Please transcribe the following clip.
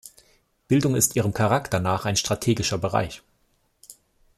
Bildung ist ihrem Charakter nach ein strategischer Bereich.